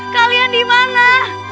kalian di mana